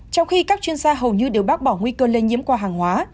trong khi các chuyên gia hầu như đều bác bỏ nguy cơ lây nhiễm qua hàng hóa